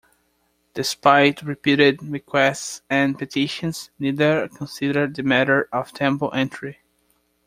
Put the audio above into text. Despite repeated requests and petitions, neither considered the matter of temple entry.